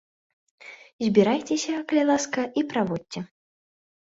Збірайцеся, калі ласка, і праводзьце.